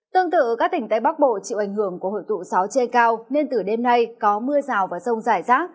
tương tự các tỉnh tây bắc bộ chịu ảnh hưởng của hội tụ só chê cao nên từ đêm nay có mưa rào và sông rải rác